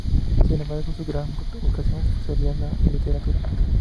Sin embargo su gran vocación sería la literatura.